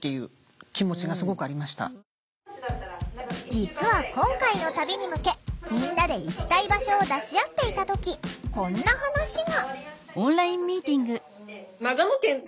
実は今回の旅に向けみんなで行きたい場所を出し合っていた時こんな話が。